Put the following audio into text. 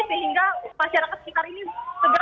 sehingga masyarakat sekitar ini segera